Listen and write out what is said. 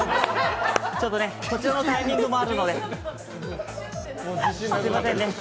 ちょっとね、こちらのタイミングもあるので、すいませんね。